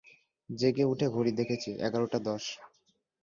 জেগে উঠে ঘড়ি দেখেছি, এগারটা দশ।